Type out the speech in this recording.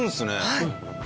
はい。